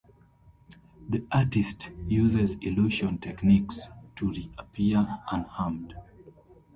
The artist uses illusion techniques to re-appear unharmed.